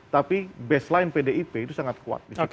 tapi baseline pdip itu sangat kuat